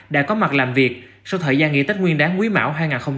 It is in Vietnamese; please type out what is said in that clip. đã có mặt làm việc sau thời gian nghỉ tết nguyên đáng quý mảo hai nghìn hai mươi ba